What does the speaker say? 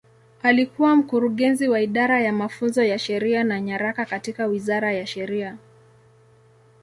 Alikuwa Mkurugenzi wa Idara ya Mafunzo ya Sheria na Nyaraka katika Wizara ya Sheria.